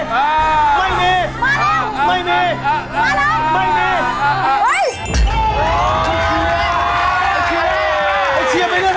เชียร์ไปด้วยทำไมเชียร์ไปด้วยทำไม